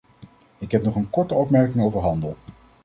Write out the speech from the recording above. Ik heb nog een korte opmerking over handel.